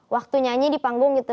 waktu nyanyi di panggung gitu